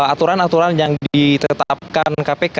aturan aturan yang ditetapkan kpk